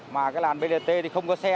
mà cái làn brt thì không có xe